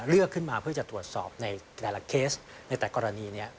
ขึ้นมาเพื่อจะตรวจสอบในแต่ละเคสในแต่กรณีนี้